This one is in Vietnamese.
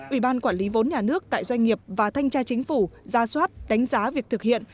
ủy ban quản lý vốn nhà nước tại doanh nghiệp và thanh tra chính phủ ra soát đánh giá việc thực hiện